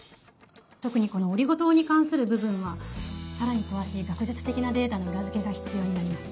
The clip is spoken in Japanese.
特にこのオリゴ糖に関する部分はさらに詳しい学術的なデータの裏付けが必要になります。